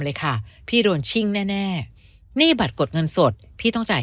เลยค่ะพี่โดนชิ่งแน่หนี้บัตรกดเงินสดพี่ต้องจ่าย